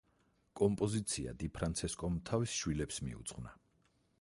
კომპოზიცია დიფრანცესკომ თავის შვილებს მიუძღვნა.